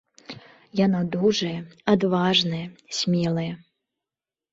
Яна дужая, адважная, смелая.